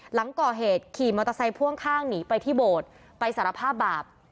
หลังก่อเหตุขี่มอเตอร์ไซค์พ่วงข้างหนีไปที่โบสถ์ไปสารภาพบาป